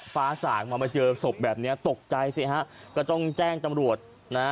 ฟ้าสางมามาเจอศพแบบนี้ตกใจสิฮะก็ต้องแจ้งตำรวจนะฮะ